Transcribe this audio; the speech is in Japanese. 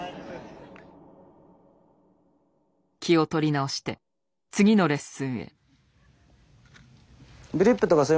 気を取り直して次のレッスンへ。